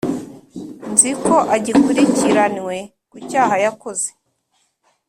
Nzi ko agikurikiranywe ku cyaha yakoze